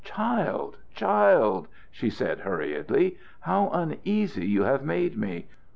"Child, child," she said, hurriedly, "how uneasy you have made me!